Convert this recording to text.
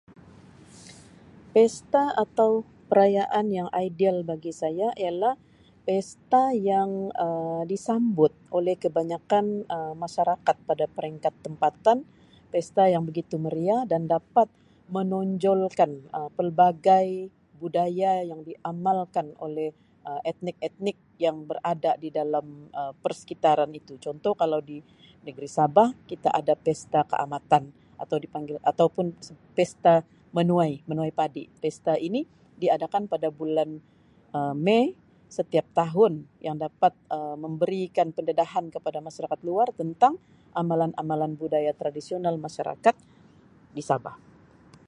Pesta atau perayaan yang ideal bagi saya ialah pesta yang Um disambut oleh kebanyakan Um masyarakat pada peringkat tempatan pesta yang begitu meriah dan dapat menonjolkan Um pelbagai budaya yang diamalkan oleh etnik-etnik yang berada di dalam Um persekitaran itu contoh kalau di negeri Sabah kita ada pesta Kaamatan atau di panggil atau pun pesta menuai menuai padi pesta ini diadakan pada bulan Um mei setiap tahun yang dapat Um memberikan pendedahan kepada masyarakat luar tentang amalan-amalan budaya tradisional masyarakat di Sabah.